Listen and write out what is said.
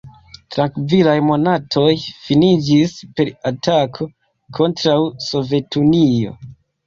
Trankvilaj monatoj finiĝis per atako kontraŭ Sovetunio.